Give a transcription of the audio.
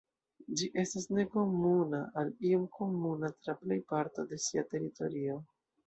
Ĝi estas nekomuna al iom komuna tra plej parto de sia teritorio.